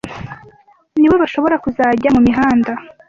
nibo bashobora kuzajya mu mihanda